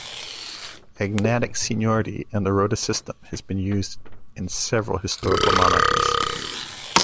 Agnatic seniority and the rota system has been used in several historical monarchies.